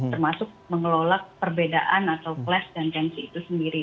termasuk mengelola perbedaan atau class tanggung jawab itu sendiri